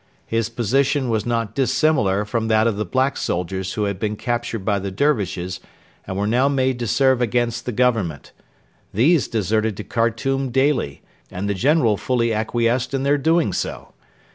His position was not dissimilar from that of the black soldiers who had been captured by the Dervishes and were now made to serve against the Government. These deserted to Khartoum daily, and the General fully acquiesced in their doing so.